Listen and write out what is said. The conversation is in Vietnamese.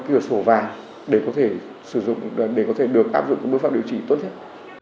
đưa sổ vào để có thể sử dụng để có thể được tác dụng các bước pháp điều trị tốt nhất